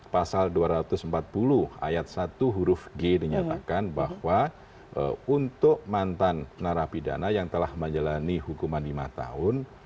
pasal dua ratus empat puluh ayat satu huruf g dinyatakan bahwa untuk mantan narapidana yang telah menjalani hukuman lima tahun